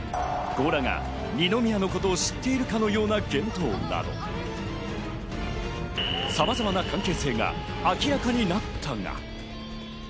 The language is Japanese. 強羅が二宮のことを知っているかのような言動など、さまざまな関係性が明らかになったが。